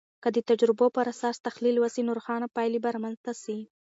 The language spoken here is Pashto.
که د تجربو پراساس تحلیل وسي، نو روښانه پایلې به رامنځته سي.